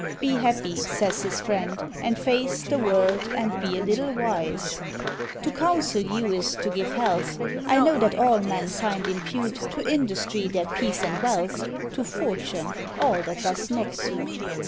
"Be happy," says his Friend, "and face The world, and be a little wise." "To counsel you is to give health: I know that all mankind impute To Industry their peace and wealth, To Fortune all that does not suit."